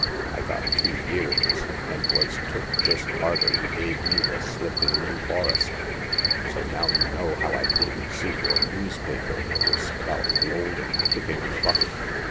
I got two years, and was took just arter you gave me the slip in New Forest ; so now you know how I didn't see your noospaper notice about the old 'un kicking the bucket."